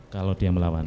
kalau dia melawan